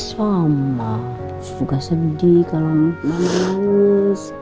sama sus juga sedih kalo mama nangis